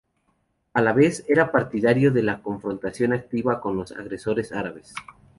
A la vez, era partidario de la confrontación activa con los agresores árabes.